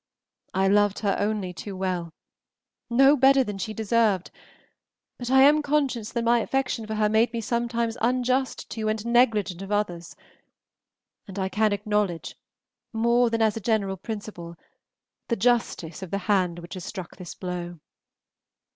I loved her only too well, not better than she deserved, but I am conscious that my affection for her made me sometimes unjust to and negligent of others; and I can acknowledge, more than as a general principle, the justice of the Hand which has struck this blow.